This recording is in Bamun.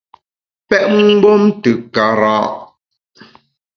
Pèt mgbom te kara’ !